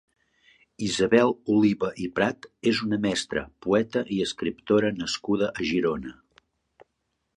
Isabel Oliva i Prat és una mestra, poeta i escriptora nascuda a Girona.